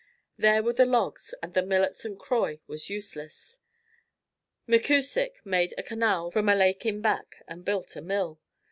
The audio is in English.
There were the logs, and the mill at St. Croix was useless. McCusick made a canal from a lake in back and built a mill.